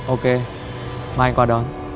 ok mai anh qua đón